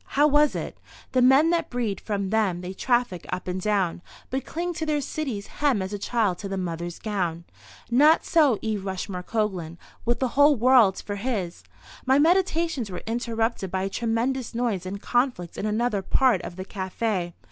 How was it? "The men that breed from them they traffic up and down, but cling to their cities' hem as a child to the mother's gown." Not so E. Rushmore Coglan. With the whole world for his— My meditations were interrupted by a tremendous noise and conflict in another part of the café.